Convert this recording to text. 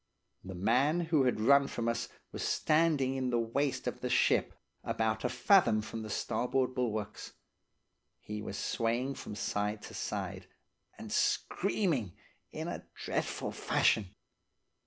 The man who had run from us was standing in the waist of the ship, about a fathom from the starboard bulwarks. He was swaying from side to side, and screaming, in a dreadful fashion.